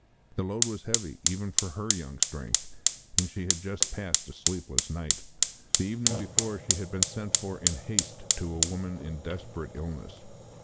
The load was heavy, even for her young strength, and she had just passed a sleepless night. The evening before she had been sent for in haste to a woman in desperate illness.